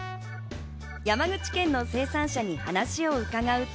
山口県の生産者に話を伺うと。